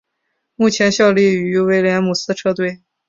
目前效力于威廉姆斯车队。